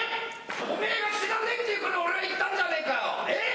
おめぇが知らねえって言うから俺はいったんじゃねえかよえぇ！